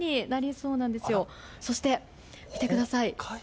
そして、見てください。